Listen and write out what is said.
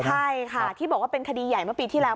ใช่ค่ะที่บอกว่าเป็นคดีใหญ่เมื่อปีที่แล้ว